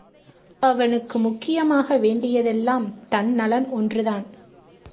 அவனுக்கு முக்கியமாக வேண்டியதெல்லாம் தன் நலன் ஒன்று தான்.